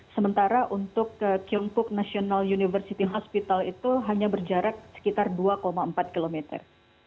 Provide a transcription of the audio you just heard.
sementara untuk tiongkok national university hospital itu hanya berjarak sekitar dua empat kilometer